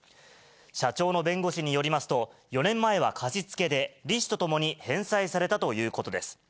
社長の弁護士によりますと、４年前は貸し付けで、利子とともに返済されたということです。